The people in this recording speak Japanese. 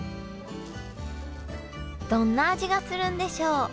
どんな味がするんでしょう？